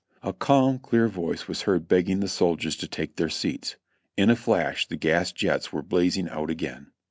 A calm, clear voice was heard begging the soldiers to take their seats. In a flash the gas jets were blazing out again.